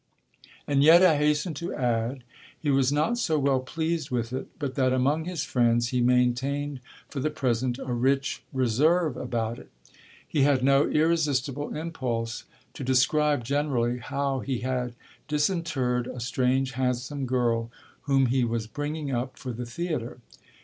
And yet, I hasten to add, he was not so well pleased with it but that among his friends he maintained for the present a rich reserve about it. He had no irresistible impulse to describe generally how he had disinterred a strange, handsome girl whom he was bringing up for the theatre.